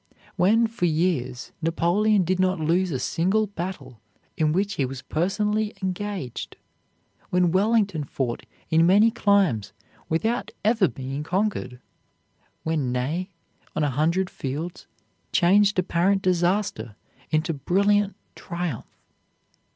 when for years Napoleon did not lose a single battle in which he was personally engaged? when Wellington fought in many climes without ever being conquered? when Ney, on a hundred fields, changed apparent disaster into brilliant triumph?